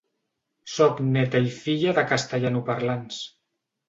Sóc néta i filla de castellanoparlants.